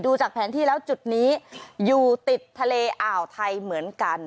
จากแผนที่แล้วจุดนี้อยู่ติดทะเลอ่าวไทยเหมือนกัน